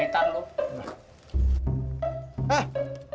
nihl termiscu panggung